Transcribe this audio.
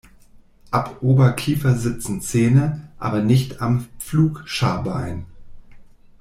Ab Oberkiefer sitzen Zähne, aber nicht am Pflugscharbein.